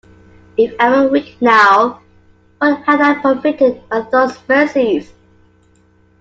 If I were weak now, what had I profited by those mercies?